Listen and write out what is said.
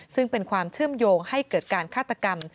ซึ่งเป็นความเชื่อมโยงให้เกิดการฆาตกรรม